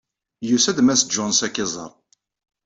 Yusa-d Mass Jones ad k-iẓeṛ.